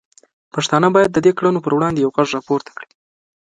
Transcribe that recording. پښتانه باید د دې کړنو پر وړاندې یو غږ راپورته کړي.